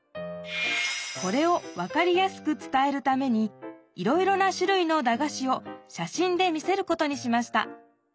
これを分かりやすく伝えるためにいろいろなしゅるいのだがしを写真で見せることにしました